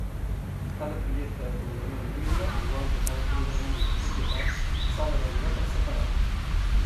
Cada projecte de programari lliure, igual que cada programari de propietat, s'ha de valorar per separat.